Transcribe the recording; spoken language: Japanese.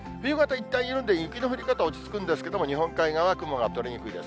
いったん緩んで、雪の降り方落ち着くんですけれども、日本海側は雲が取れにくいです。